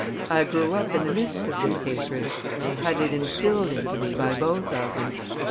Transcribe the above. I grew up in the midst of this hatred and had it instilled into me by both of them.